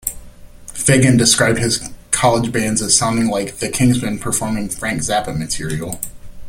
Fagen described his college bands as sounding like "the Kingsmen performing Frank Zappa material".